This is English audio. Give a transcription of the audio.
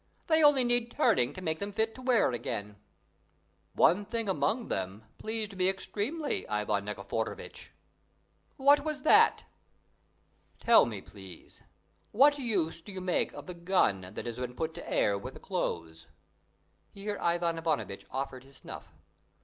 They only need turning to make them fit to wear again." "One thing among them pleased me extremely, Ivan Nikiforovitch." "What was that?" "Tell me, please, what use do you make of the gun that has been put to air with the clothes?" Here Ivan Ivanovitch offered his snuff.